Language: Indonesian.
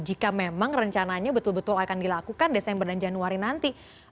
jika memang rencananya betul betul akan dilakukan desember dan januari nanti